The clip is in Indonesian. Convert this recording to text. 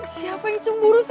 siapa yang cemburu sih